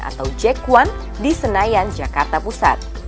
atau jec satu di senayan jakarta pusat